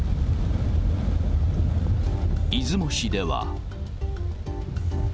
出雲市では。